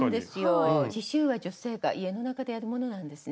刺しゅうは女性が家の中でやるものなんですね。